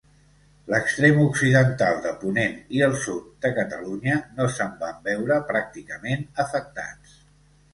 L'extrem occidental de ponent i el sud de Catalunya no se'n van veure pràcticament afectats.